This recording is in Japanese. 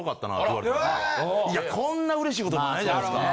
いやこんな嬉しいことないじゃないですか。